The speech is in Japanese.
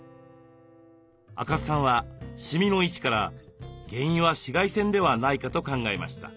赤須さんはシミの位置から原因は紫外線ではないかと考えました。